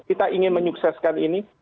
kita ingin menyukseskan ini